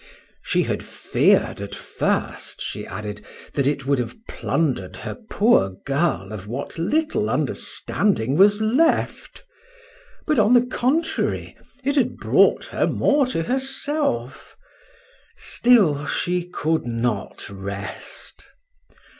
—She had feared at first, she added, that it would have plunder'd her poor girl of what little understanding was left;—but, on the contrary, it had brought her more to herself:—still, she could not rest.